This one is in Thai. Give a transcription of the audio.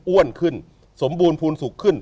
ขึ้นสมบูรณ์ภูมิสุขขึ้น